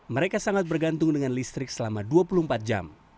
mereka sangat bergantung dengan listrik selama dua puluh empat jam